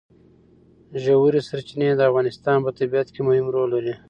ژورې سرچینې د افغانستان په طبیعت کې مهم رول لري.